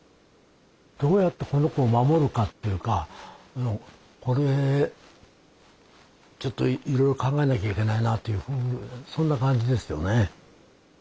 どうやってこの子を守るかっていうかこれちょっといろいろ考えなきゃいけないなというそんな感じですよね。